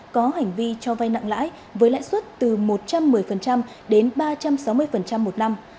có hành vi cho vay nặng lãi với lãi suất từ một trăm một mươi đến ba trăm sáu mươi một năm